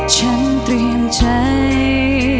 ฉันเตรียมใจ